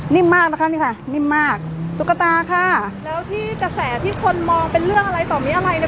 มากนะคะนี่ค่ะนิ่มมากตุ๊กตาค่ะแล้วที่กระแสที่คนมองเป็นเรื่องอะไรต่อมีอะไรเนี่ย